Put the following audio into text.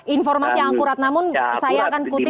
informasi yang akurat namun saya akan kutip